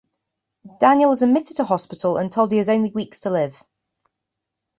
Daniel is admitted to hospital and told he has only weeks to live.